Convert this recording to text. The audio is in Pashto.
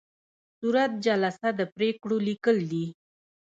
صورت جلسه د پریکړو لیکل دي